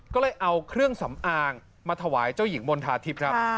ก็เลยเอาเครื่องสำอางมาถวายเจ้าหญิงมณฑาทิพย์ครับ